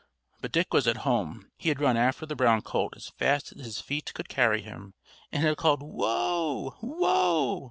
But Dick was at home. He had run after the brown colt as fast as his feet could carry him, and had called "Whoa! Whoa!"